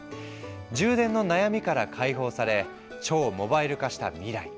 充電の悩みから解放され超モバイル化した未来。